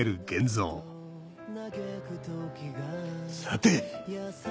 さて！